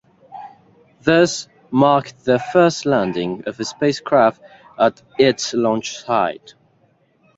This marked the first landing of a spacecraft at its launch site.